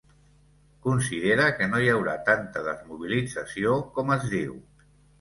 Considera que “no hi haurà tanta desmobilització com es diu”.